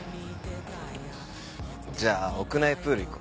じゃあ屋内プール行こう。